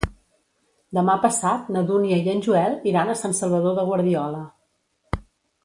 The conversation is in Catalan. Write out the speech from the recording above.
Demà passat na Dúnia i en Joel iran a Sant Salvador de Guardiola.